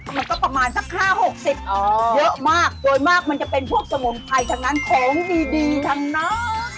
มันก็ประมาณสัก๕๖๐เยอะมากโดยมากมันจะเป็นพวกสมุนไพรทั้งนั้นของดีทั้งนั้น